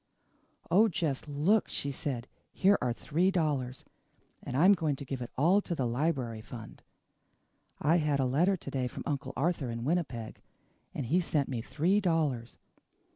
"Oh, just look," she said. "Here are three dollars and I'm going to give it all to the library fund. I had a letter to day from Uncle Arthur in Winnipeg, and he sent me three dollars.